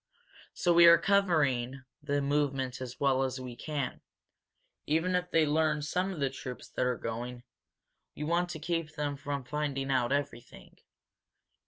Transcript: So we are covering the movement as well as we can. Even if they learn some of the troops that are going, we want to keep them from finding out everything.